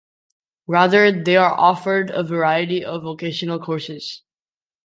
Rather, they are offered a variety of vocational courses.